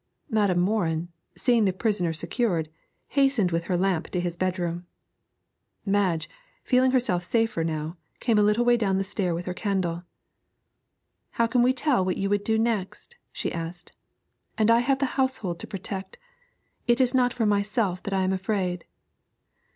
Madam Morin, seeing the prisoner secured, hastened with her lamp to his bedroom. Madge, feeling herself safer now, came a little way down the stair with her candle. 'How can we tell what you would do next?' she asked. 'And I have the household to protect; it is not for myself that I am afraid.'